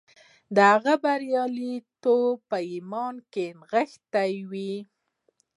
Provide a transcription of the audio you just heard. د هغه برياليتوب په ايمان کې نغښتی و.